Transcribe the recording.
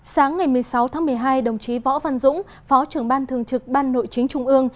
sáng ngày một mươi sáu tháng một mươi hai đồng chí võ văn dũng phó trưởng ban thường trực ban nội chính trung ương